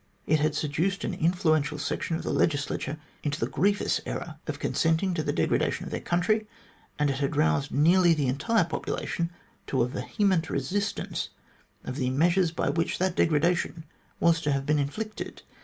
It had seduced an influential section of the Legislature into the grievous error of consenting to the degradation of their country, and it had roused nearly the entire population to a vehement resistance of the measures by which that degradation was to have been inflicted.